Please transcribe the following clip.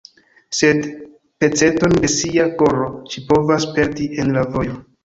Sed peceton de sia koro ŝi povas perdi en la vojo.